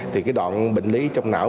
thì cái đoạn bệnh lý trong não